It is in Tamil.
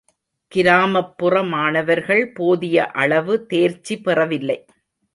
கிராமப்புற மாணவர்கள் போதிய அளவு தேர்ச்சி பெறவில்லை.